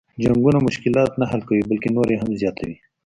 جنګونه مشلات نه حل کوي بلکه نور یې هم زیاتوي.